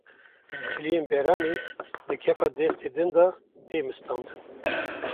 Tiliyên beranê di kefa destê din de tê mistandin